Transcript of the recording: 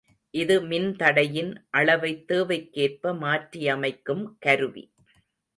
இது மின்தடையின் அளவைத் தேவைக்கேற்ப மாற்றியமைக்கும் கருவி.